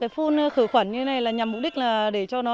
phun khử khuẩn như thế này là nhằm mục đích là để cho nó